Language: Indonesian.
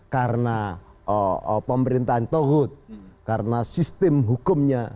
karena pemerintahan tohut karena sistem hukumnya